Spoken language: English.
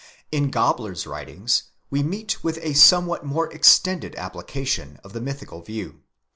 In Gabler's® writings we meet with a somewhat more extended application: of the mythical view.